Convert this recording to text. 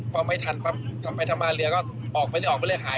พอไม่ทันปั๊บก็ไปทำมาเรือก็ออกไปเลยหาย